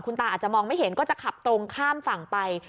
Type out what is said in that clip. ตาอาจจะมองไม่เห็นก็จะขับตรงข้ามฝั่งไป